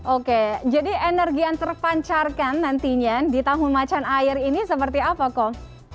oke jadi energi yang terpancarkan nantinya di tahun macan air ini seperti apa kong